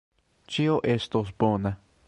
Ĉio estos bona.